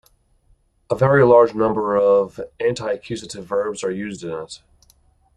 A very large number of antiaccusative verbs are used in it.